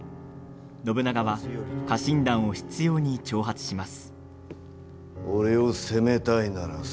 信長は、家臣団を執ように挑発します。